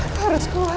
aku harus keluar